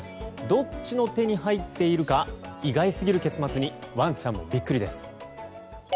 どっちの手に入っているか意外過ぎる結末にワンちゃんもビックリです。